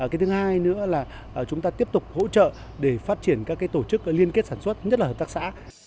cái thứ hai nữa là chúng ta tiếp tục hỗ trợ để phát triển các tổ chức liên kết sản xuất nhất là hợp tác xã